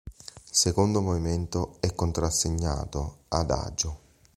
Il secondo movimento è contrassegnato "Adagio".